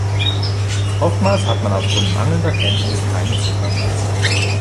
Oftmals hat man aufgrund mangelnder Kenntnis keinen Zugang dazu.